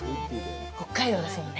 北海道ですもんね。